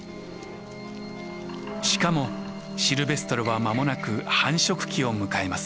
しかもシルベストルはまもなく繁殖期を迎えます。